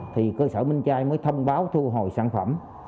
thì cơ sở minh trai mới thông báo thu hồi sản phẩm